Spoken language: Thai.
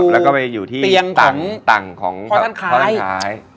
แล้วก็ไปอยู่ที่เตียงของพ่อท่านคลาย